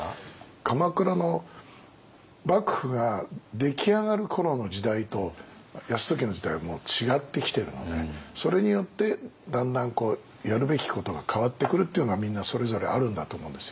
鎌倉の幕府が出来上がる頃の時代と泰時の時代はもう違ってきてるのでそれによってだんだんやるべきことが変わってくるというのはみんなそれぞれあるんだと思うんですよ。